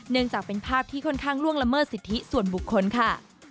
จากเป็นภาพที่ค่อนข้างล่วงละเมิดสิทธิส่วนบุคคลค่ะ